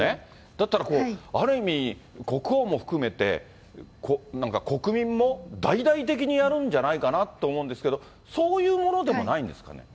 だったら、ある意味、国王も含めて、なんか国民も大々的にやるんじゃないかなって思うんですけど、そういうものでもないんですかね？